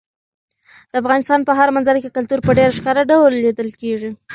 د افغانستان په هره منظره کې کلتور په ډېر ښکاره ډول لیدل کېږي.